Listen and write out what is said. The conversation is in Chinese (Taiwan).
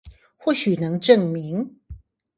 或許能證明